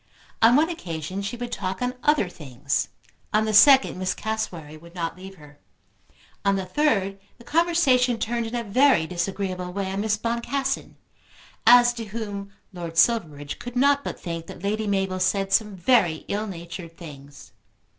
On one occasion she would talk on other things. On the second Miss Cassewary would not leave her. On the third the conversation turned in a very disagreeable way on Miss Boncassen, as to whom Lord Silverbridge could not but think that Lady Mabel said some very ill natured things.